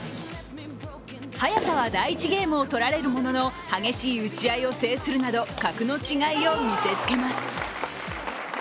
早田は第１ゲームを取られるものの激しい打ち合いを制するなど格の違いを見せつけます。